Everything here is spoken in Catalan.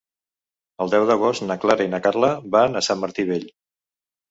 El deu d'agost na Clara i na Carla van a Sant Martí Vell.